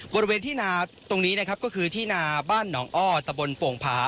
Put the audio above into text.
บริเวณที่นาตรงนี้นะครับก็คือที่นาบ้านหนองอ้อตะบนโป่งผา